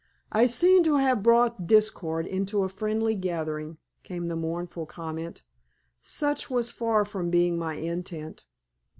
"I seem to have brought discord into a friendly gathering," came the mournful comment. "Such was far from being my intent.